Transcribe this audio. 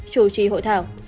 chủ trì hội thảo